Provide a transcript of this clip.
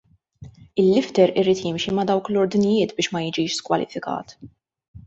Il-lifter irid jimxi ma' dawk l-ordnijiet biex ma jiġix skwalifikat.